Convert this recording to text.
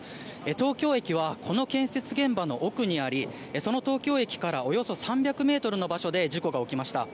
東京駅はこの建設現場の奥にありその東京駅からおよそ３００ｍの場所で事故が起きました。